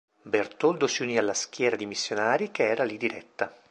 Bertoldo si unì alla schiera di missionari che era lì diretta.